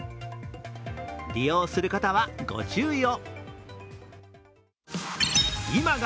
利用する方は、ご注意を。